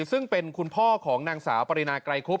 ซึ่งเป็นคุณพ่อของนางสาวปรินาไกรคุบ